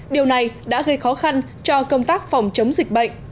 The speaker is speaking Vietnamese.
điều này đã gây khó khăn cho công tác phòng chống dịch bệnh